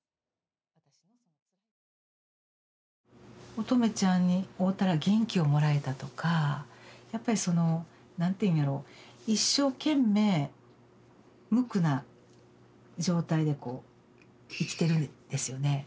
音十愛ちゃんに会うたら元気をもらえたとかやっぱりその何て言うんやろ一生懸命むくな状態でこう生きてるんですよね。